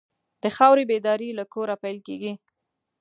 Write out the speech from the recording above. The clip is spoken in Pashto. د خاورې بیداري له کوره پیل کېږي.